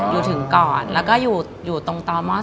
อยู่ถึงก่อนแล้วก็อยู่ตรงตม๒๔๐